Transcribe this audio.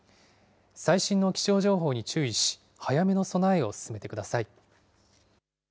最新の気象情報に注意し、早めの備えを進めてください。